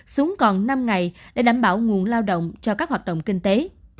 xuống còn năm ngày để đảm bảo nguồn lao động cho các hoạt động kinh tế